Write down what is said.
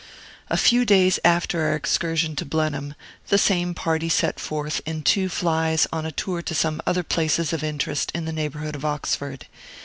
A few days after our excursion to Blenheim, the same party set forth, in two flies, on a tour to some other places of interest in the neighborhood of Oxford.